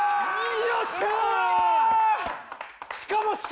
しかも白！